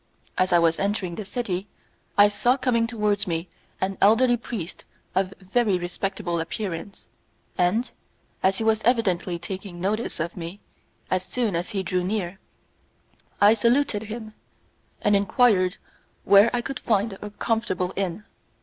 As I was entering the city, I saw coming towards me an elderly priest of very respectable appearance, and, as he was evidently taking notice of me, as soon as he drew near, I saluted him, and enquired where I could find a comfortable inn.